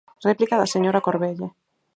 Réplica da señora Corvelle.